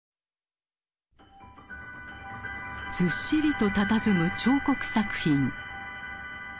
ずっしりとたたずむ彫刻作品。